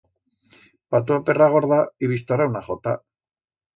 Pa tu a perra gorda y bi'stará una jota.